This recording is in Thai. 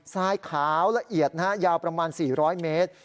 ทรายขาวละเอียดนะฮะยาวประมาณ๔๐๐เมตร